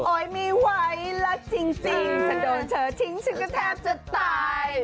ไม่ไหวแล้วจริงฉันโดนเธอทิ้งฉันก็แทบจะตาย